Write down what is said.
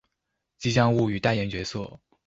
吉祥物與代言角色